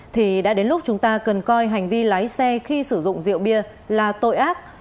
thì đã đến lúc chúng ta cần coi hành vi lái xe khi sử dụng rượu bia là tội ác